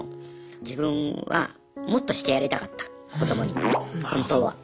自分はもっとしてやりたかった子どもに本当は。